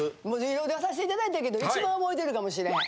色々出させていただいたけど一番覚えてるかもしれへん。